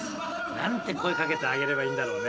何て声かけてあげればいいんだろうね。